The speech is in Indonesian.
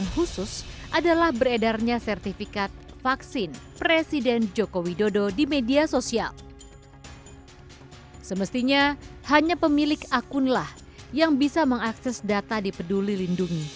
semestinya hanya pemilik akunlah yang bisa mengakses data di peduli lindungi